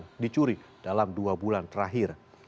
al quran yang dicuri dalam dua bulan terakhir